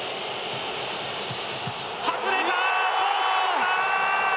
外れた！